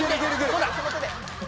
そうだ！